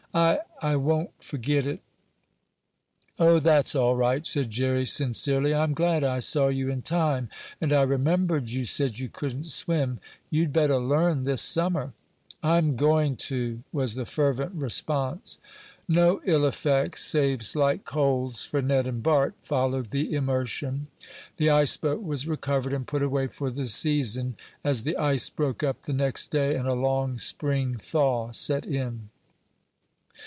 "I I won't forget it." "Oh, that's all right," said Jerry, sincerely. "I'm glad I saw you in time, and I remembered you said you couldn't swim. You'd better learn this summer." "I'm going to!" was the fervent response. No ill effects, save slight colds for Ned and Bart, followed the immersion. The ice boat was recovered and put away for the season, as the ice broke up the next day and a long spring thaw set in.